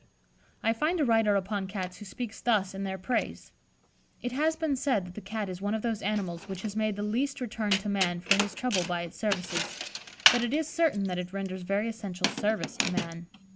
I find a writer upon Cats who speaks thus in their praise: "It has been said that the Cat is one of those animals which has made the least return to man for his trouble by its services; but it is certain that it renders very essential service to man."